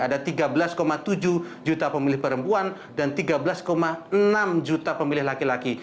dan tiga belas enam juta pemilih laki laki